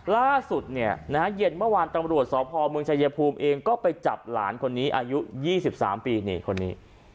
ล่าสุดเย็นเมื่อวานตำรวจสพเมืองชายภูมิเองก็ไปจับหลานคนนี้อายุ๒๓ปี